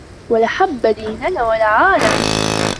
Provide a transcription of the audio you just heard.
و لحب ديننا والعالم.